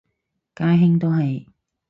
家兄都係